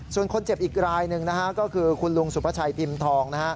ส่วนคนเจ็บอีกรายหนึ่งก็คือคุณลุงสุภาชัยพิมพ์ทอง